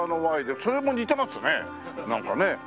それも似てますねなんかね。